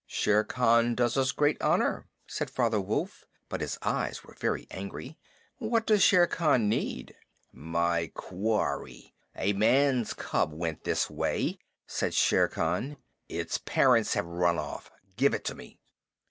"Shere Khan does us great honor," said Father Wolf, but his eyes were very angry. "What does Shere Khan need?" "My quarry. A man's cub went this way," said Shere Khan. "Its parents have run off. Give it to me."